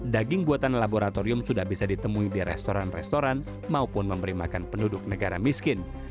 daging buatan laboratorium sudah bisa ditemui di restoran restoran maupun memberi makan penduduk negara miskin